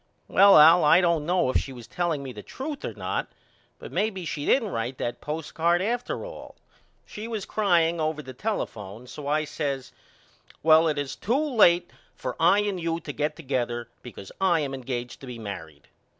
Well Al I don't know if she was telling me the truth or not but may be she didn't write that postcard after all. She was crying over the telephone so I says Well it is too late for I and you to get together because I am engaged to be married.